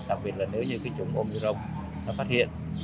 đặc biệt là nếu như cái chủng bông nó phát hiện